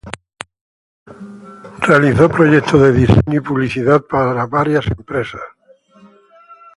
Realizó proyectos de diseño y publicidad para varias empresas.